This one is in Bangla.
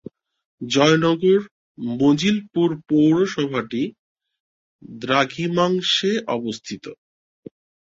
জয়নগর মজিলপুর পৌরসভাটি দ্রাঘিমাংশে অবস্থিত।